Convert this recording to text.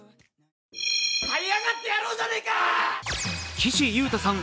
岸優太さん